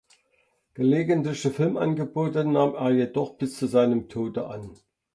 Gelegentliche Filmangebote nahm er jedoch bis zu seinem Tode an.